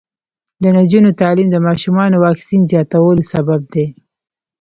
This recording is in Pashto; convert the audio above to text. د نجونو تعلیم د ماشومانو واکسین زیاتولو سبب دی.